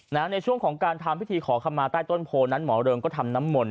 ในช่วงของการทำพิธีขอคำมาใต้ต้นโพนั้นหมอเริงก็ทำน้ำมนต